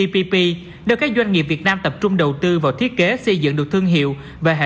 ppp đưa các doanh nghiệp việt nam tập trung đầu tư vào thiết kế xây dựng được thương hiệu và hệ